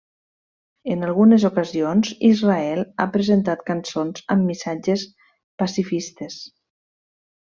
En algunes ocasions, Israel ha presentat cançons amb missatges pacifistes.